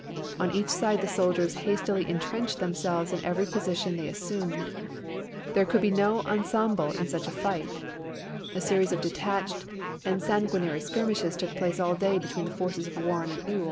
On each side the soldiers hastily intrenched themselves in every position they assumed. There could be no ensemble in such a fight. A series of detached and sanguinary skirmishes took place all day between the forces of Warren and Ewell, and 1 The participants on both sides oirs of R.